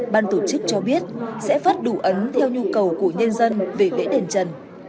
ban tổ chức cho biết sẽ phát đủ ấn theo nhu cầu của nhân dân về lễ đền trần